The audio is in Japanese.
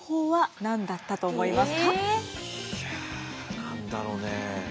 いや何だろうね。